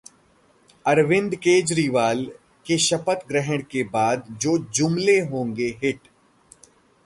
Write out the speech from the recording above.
अरविंद केजरीवाल के शपथ ग्रहण के बाद जो जुमले होंगे हिट